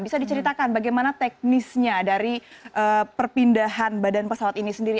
bisa diceritakan bagaimana teknisnya dari perpindahan badan pesawat ini sendiri